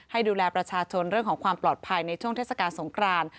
ให้ดูแลประชาชนเรื่องของความปลอดภัยในช่วงเทศกาลสงคราน